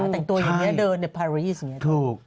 แต่งตัวอย่างนี้เดินในพารีสอย่างนี้ถูก